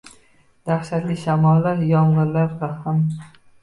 Dahshatli shamollar, yomg’irlardan ham…